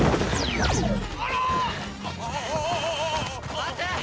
待て！